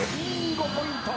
５ポイント。